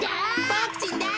ボクちんだ！